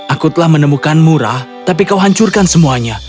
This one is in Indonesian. aku telah menemukan murah tapi kau hancurkan semuanya